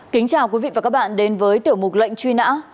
kính chào quý vị và các bạn đến với tiểu mục lệnh truy nã